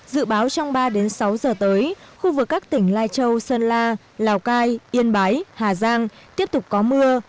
dự báo trong ba đến sáu giờ tới khu vực các tỉnh lai châu sơn la lào cai yên bái hà giang tiếp tục có mưa